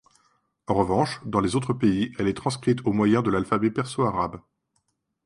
En revanche, dans les autres pays, elle est transcrite au moyen de l'alphabet perso-arabe.